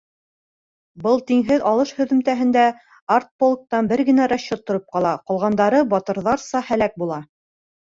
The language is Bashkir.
Был тиңһеҙ алыш һөҙөмтәһендә артполктан бер генә расчет тороп ҡала, ҡалғандары батырҙарса һәләк була.